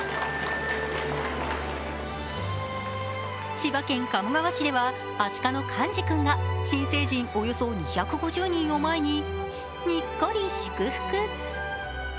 千葉県鴨川市では、アシカのカンジ君が新成人およそ２５０人を前ににっこり祝福。